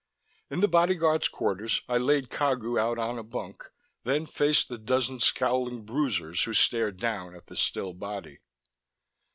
In the bodyguards' quarters I laid Cagu out on a bunk, then faced the dozen scowling bruisers who stared down at the still body.